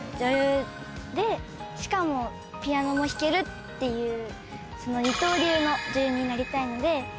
しかもピアノも弾けるっていう二刀流の女優になりたいので。